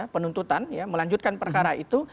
penuntutan ya melanjutkan perkara itu